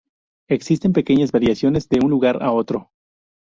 Existen pequeñas variaciones de un lugar a otro.